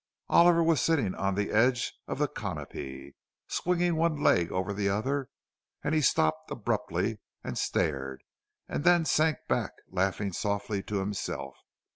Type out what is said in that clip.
Oliver was sitting on the edge of the canapé, swinging one leg over the other; and he stopped abruptly and stared, and then sank back, laughing softly to himself.